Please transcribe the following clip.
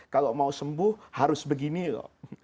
kalau mau sembuh harus begini loh